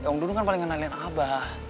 ya om dudung kan paling ngenalin abah